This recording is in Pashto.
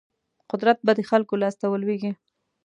قدرت به د خلکو لاس ته ولویږي.